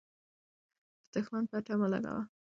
د دښمن پته مه لګوه.